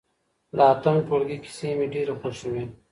د اتم ټولګي کیسې مي ډېرې خوښې وې.